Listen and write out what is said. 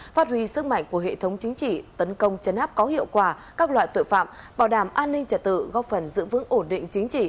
phát huy sức mạnh của hệ thống chính trị tấn công chấn áp có hiệu quả các loại tội phạm bảo đảm an ninh trả tự góp phần giữ vững ổn định chính trị